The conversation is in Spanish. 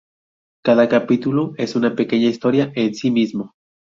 Cada capítulo es una pequeña historia en sí mismo.